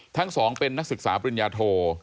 ทั้งสองเป็นนักศึกษาปริญญาโท